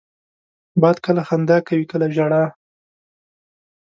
باد کله خندا کوي، کله ژاړي